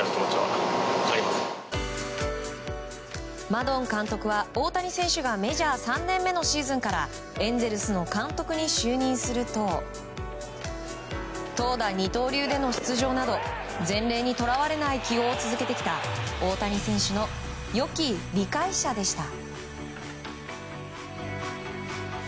マドン監督は大谷選手がメジャー３年目のシーズンからエンゼルスの監督に就任すると投打二刀流での出場など前例にとらわれない器用を続けてきた大谷選手のよき理解者でした。